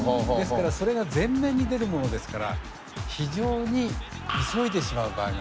ですからそれが全面に出るものですから非常に焦りというか。